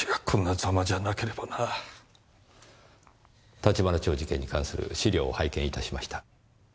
橘町事件に関する資料を拝見いたしました。